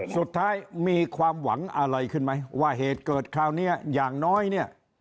สุดท้ายมีความหวังอะไรขึ้นไหมว่าเหตุเกิดคราวนี้อย่างน้อยเนี่ย